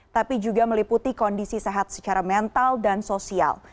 tapi juga meliputi kondisi sehat secara mental dan sosial